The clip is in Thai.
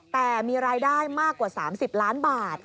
แต่มีรายได้มากกว่า๓๐ล้านบาท